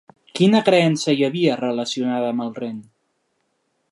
Quina creença hi havia relacionada amb el Ren?